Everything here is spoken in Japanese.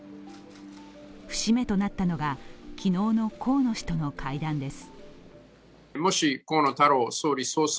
節目となったのが、昨日の河野氏との会談です。